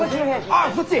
あっそっち？